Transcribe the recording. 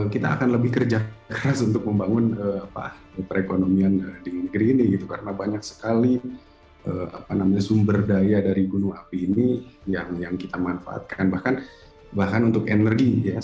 kita akan lebih kerja keras untuk membangun perekonomian di negeri ini karena banyak sekali sumber daya dari gunung api ini yang kita manfaatkan bahkan bahan untuk energi ya